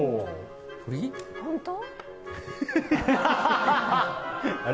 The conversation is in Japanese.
本当？